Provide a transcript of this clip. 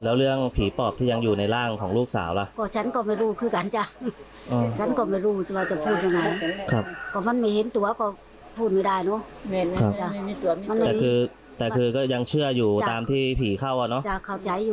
แม่สงสารลูกไหมสงสารจ้ะให้หมอปลาช่วยลูกสาเขาหน่อยให้คนดุ